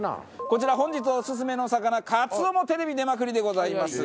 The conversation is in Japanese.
こちら本日オススメの魚カツオもテレビ出まくりでございます。